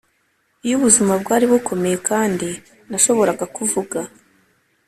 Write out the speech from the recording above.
iyo ubuzima bwari bukomeye kandi nashoboraga kuvuga